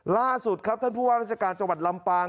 ล่าสุดครับท่านผู้ว่าราชการจังหวัดลำปาง